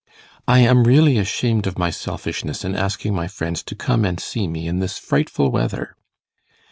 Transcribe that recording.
'I am really ashamed of my selfishness in asking my friends to come and see me in this frightful weather.